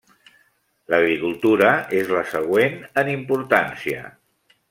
L'agricultura és la següent en importància.